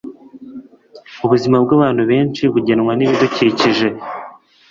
Ubuzima bwabantu benshi bugenwa nibidukikije.